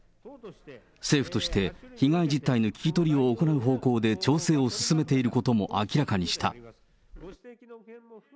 政府として被害実態の聞き取りを行う方向で調整を進めていることも明らかにした。